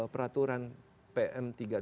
peraturan pm tiga puluh delapan